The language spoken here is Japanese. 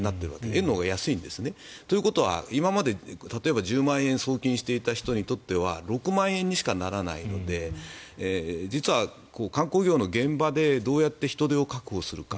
円のほうが安いんですね。ということは、今まで例えば、１０万円送金していた人にとっては６万円にしかならないので実は観光業の現場でどうやって人手を確保するか。